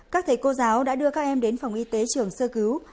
các thầy cô giáo đã đưa các em đến phòng y tế trường sơ cứu